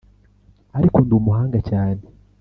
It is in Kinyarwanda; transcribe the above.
ariko ndumuhanga cyane